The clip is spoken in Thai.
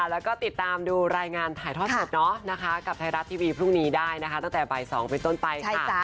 แล้วก็ติดตามดูรายงานถ่ายทอดสดนะคะกับไทยรัฐทีวีพรุ่งนี้ได้นะคะตั้งแต่บ่าย๒เป็นต้นไปค่ะ